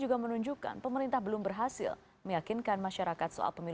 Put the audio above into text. dan juga ada bang egy sujana anggota bpn